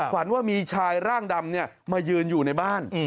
ฝันว่ามีชายร่างดำมายืนอยู่ในบ้าน